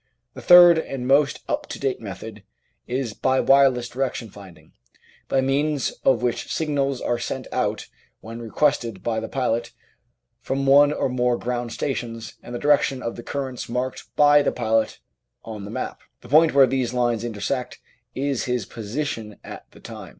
The third and most up to date method is by wireless direction finding, by means of which signals are sent out when requested by the pilot from one or more ground stations and the direction of the currents marked by the pilot on the map; the point where these lines intersect is his position at the time.